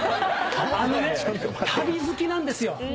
あのね旅好きなんですよ。